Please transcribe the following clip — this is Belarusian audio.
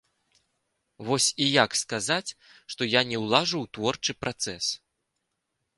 Вось і як сказаць, што я не ўлажу ў творчы працэс?